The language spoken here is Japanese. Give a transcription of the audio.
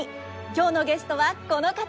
今日のゲストはこの方です。